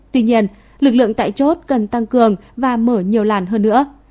tuy nhiên lực lượng tại chốt cần tăng cường và mở nhiều làn hơn nữa